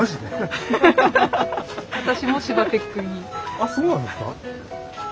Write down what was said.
あっそうなんですか！